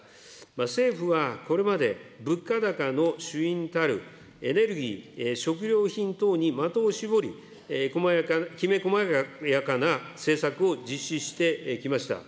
政府はこれまで、物価高の主因たるエネルギー、食料品等に的を絞り、きめ細やかな政策を実施してきました。